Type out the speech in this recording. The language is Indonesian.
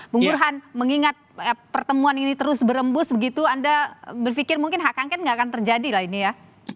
bung burhan mengingat pertemuan ini terus berembus begitu anda berpikir mungkin hak angket nggak akan terjadi lah ini ya